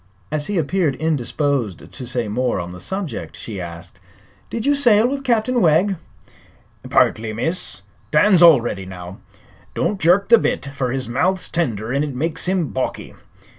As he appeared indisposed to say more on the subject she asked: "Did you sail with Captain Wegg?" "Partly, miss. Dan's already now. Don't jerk the bit, fer his mouth's tender an' it makes him balky.